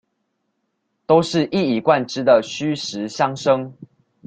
都是一以貫之的虛實相生